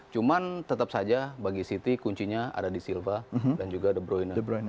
cuman tetap saja bagi city kuncinya ada di silva dan juga de bruyne